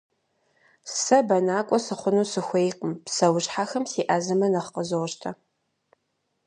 Сэ бэнакӏуэ сыхъуну сыхуейкъым, псэущхьэхэм сеӏэзэмэ нэхъ къызощтэ.